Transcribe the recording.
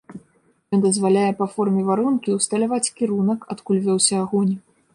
Ён дазваляе па форме варонкі ўсталяваць кірунак, адкуль вёўся агонь.